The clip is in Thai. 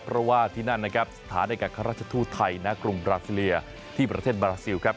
เพราะว่าที่นั่นนะครับสถานเอกราชทูตไทยณกรุงบราซิเลียที่ประเทศบราซิลครับ